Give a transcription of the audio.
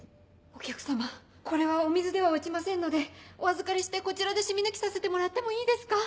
お客様これはお水では落ちませんのでお預かりしてこちらで染み抜きさせてもらってもいいですか？